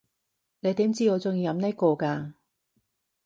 你點知我中意飲呢個㗎？